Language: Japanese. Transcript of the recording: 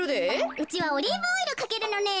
うちはオリーブオイルかけるのね。